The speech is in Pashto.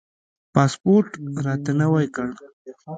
پاسپورټ راته نوی کړ.